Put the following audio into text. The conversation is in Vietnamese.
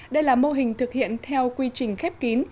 đây là mô hình thực hiện theo quy trình khép kín